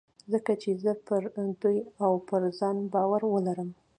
ځکه چې زه به پر دوی او پر ځان باور ولرم.